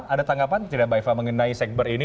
ada tanggapan tidak mbak eva mengenai sekber ini